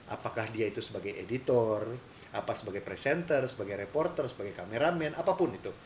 apakah dia itu sebagai editor apa sebagai presenter sebagai reporter sebagai kameramen apapun itu